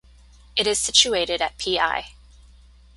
It is situated at Pl.